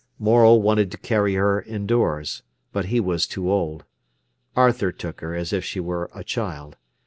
Morel wanted to carry her indoors, but he was too old. Arthur took her as if she were a child.